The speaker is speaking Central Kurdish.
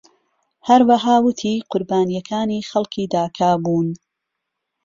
هەروەها ووتی قوربانیەکانی خەڵکی داکا بوون.